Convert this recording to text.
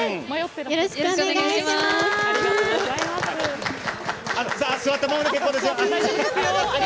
よろしくお願いします。